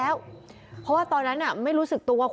อุทธิวัฒน์อิสธิวัฒน์